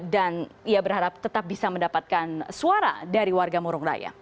dan ia berharap tetap bisa mendapatkan suara dari warga murung raya